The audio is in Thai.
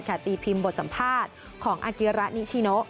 ตีพิมพ์บทสัมภาษณ์ของอากิระนิชิโน